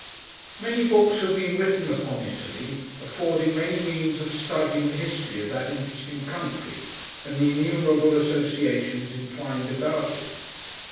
Many books have been written upon Italy, affording many means of studying the history of that interesting country, and the innumerable associations entwined about it.